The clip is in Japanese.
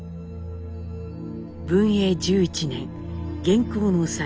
文永１１年元寇の際